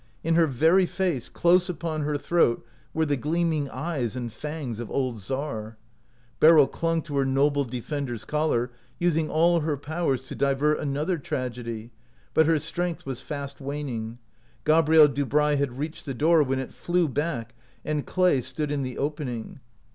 In her very face, close upon her throat, were the gleaming eyes and fangs of old Czar. Beryl clung to her noble defender's collar, using all her powers to divert another tragedy, but her strength was fast waning. Gabrielle Dubray had reached the door, when it flew back, and Clay stood in the opening.